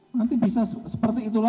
nanti bisa seperti itulah